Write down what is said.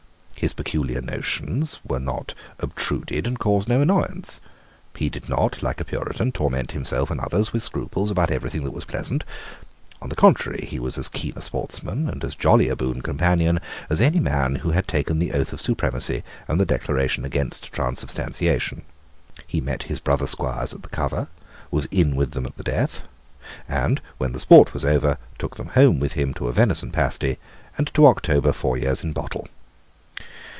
His peculiar notions were not obtruded, and caused no annoyance. He did not, like a Puritan, torment himself and others with scruples about everything that was pleasant. On the contrary, he was as keen a sportsman, and as jolly a boon companion, as any man who had taken the oath of supremacy and the declaration against transubstantiation. He met his brother squires at the cover, was in with them at the death, and, when the sport was over, took them home with him to a venison pasty and to October four years in bottle.